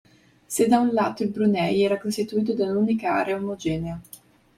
Se da un lato il Brunei era costituito da un'unica area omogenea.